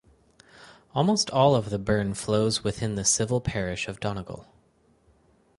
Almost all of the burn flows within the Civil Parish of Donegal.